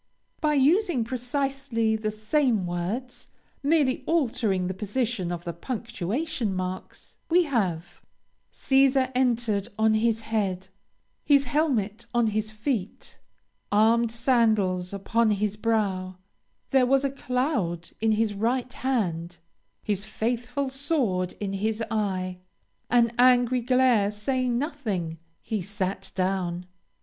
By using precisely the same words, merely altering the position of the punctuation marks, we have "Cæsar entered on his head; his helmet on his feet; armed sandals upon his brow; there was a cloud in his right hand; his faithful sword in his eye; an angry glare saying nothing; he sat down."